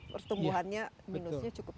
pertumbuhannya minusnya cukup